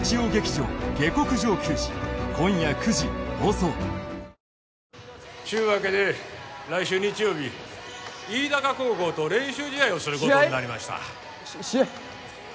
便質改善でラクに出すちゅうわけで来週日曜日飯高高校と練習試合をすることになりました試合？試合？